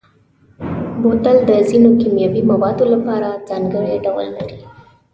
بوتل د ځینو کیمیاوي موادو لپاره ځانګړی ډول لري.